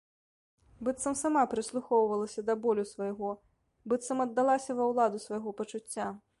Быццам сама прыслухоўвалася да болю свайго, быццам аддалася ва ўладу свайго пачуцця.